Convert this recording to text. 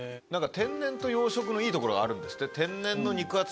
天然と養殖のいいところがあるんですって。